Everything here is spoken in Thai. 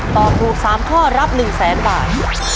ตอบถูก๓ข้อรับ๑แสนบาท